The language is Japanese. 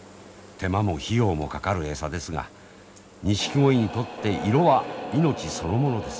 手間も費用もかかる餌ですがニシキゴイにとって色は命そのものです。